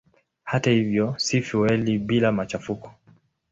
Hata hivyo si fueli bila machafuko.